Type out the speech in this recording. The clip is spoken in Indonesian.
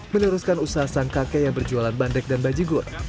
meneruskan usaha sang kakek yang berjualan bandrek dan bajigur